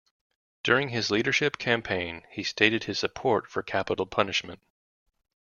During his leadership campaign he stated his support for capital punishment.